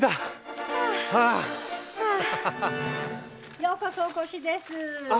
ようこそお越しです。